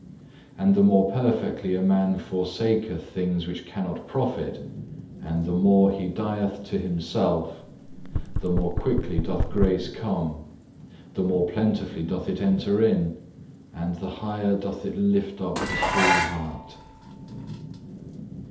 And the more perfectly a man forsaketh things which cannot profit, and the more he dieth to himself, the more quickly doth grace come, the more plentifully doth it enter in, and the higher doth it lift up the free heart.